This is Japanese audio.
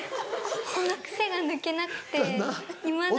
その癖が抜けなくていまだに。